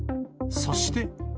そして。